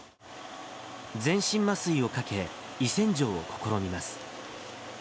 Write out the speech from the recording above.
全身麻酔をかけ、胃洗浄を試みます。